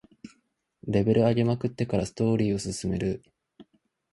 レベル上げまくってからストーリーを進める